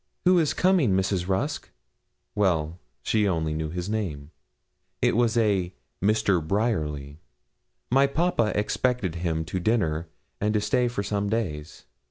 'Who is coming, Mrs. Rusk?' Well, she only knew his name. It was a Mr. Bryerly. My papa expected him to dinner, and to stay for some days.